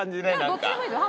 どっちでもいいですよ